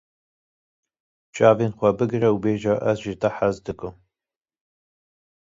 Çavên xwe bigire û bêje ez ji te hez dikim